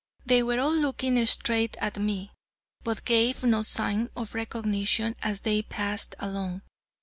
They were all looking straight at me, but gave no sign of recognition as they passed along.